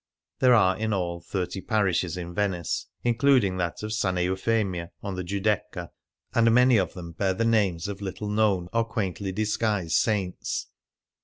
There are in all thirty parishes in Venice, including that of S. Eufemia on the Giudecca ; and many of them bear the names of little known or quaintly disguised saints.